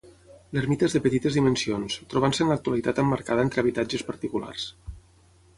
L'ermita és de petites dimensions, trobant-se en l'actualitat emmarcada entre habitatges particulars.